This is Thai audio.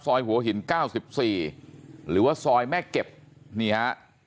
หัวหินเก้าสิบสี่หรือว่าซอยแม่เก็บนี่ฮะ